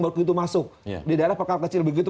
begitu masuk di daerah perkara kecil begitu